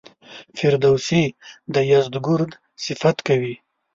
فردوسي د یزدګُرد صفت کوي.